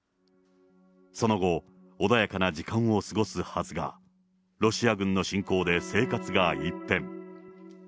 その後、穏やかな時間を過ごすはずが、ロシア軍の侵攻で生活が一変。